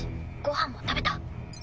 ご飯も食べた。